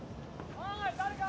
おい誰か！